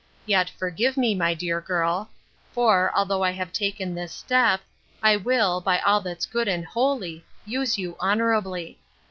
Yet, forgive me, my dear girl; for, although I have taken this step, I will, by all that's good and holy! use you honourably.